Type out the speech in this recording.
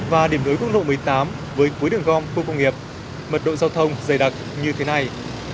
và điểm nối quốc lộ một mươi tám với cuối đường gom khu công nghiệp mật độ giao thông dày đặc như thế này